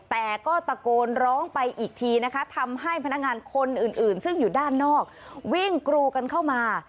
แต่ก็ตะโกนร้องไปอีกทีนะคะทำให้พนักงานคนอื่นซึ่งอยู่ด้านนอกวิ่งกรูกันเข้ามา